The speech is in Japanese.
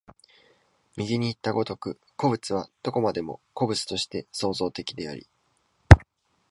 右にいった如く、個物はどこまでも個物として創造的であり、